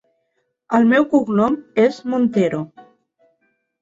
El meu cognom és Montero.